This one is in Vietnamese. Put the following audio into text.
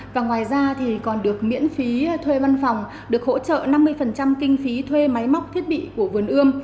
và ngoài ra thì còn được miễn phí thuê văn phòng được hỗ trợ năm mươi kinh phí thuê máy móc thiết bị của vườn ươm